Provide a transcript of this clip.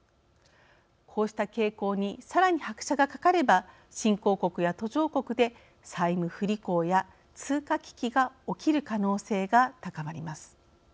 こうした傾向にさらに拍車がかかれば新興国や途上国で債務不履行や通貨危機が起きる可能性が高まります。